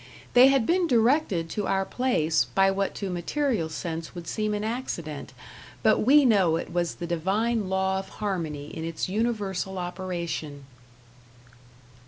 They had been directed to our place by what to material sense would seem an accident, but we know it was the divine law of harmony in its universal operation.